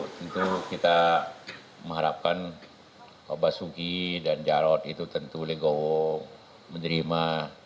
tentu kita mengharapkan pak basuki dan jarod itu tentu legowo menerima